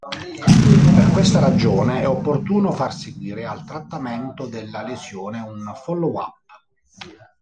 Per questa ragione è opportuno far seguire al trattamento della lesione un follow-up.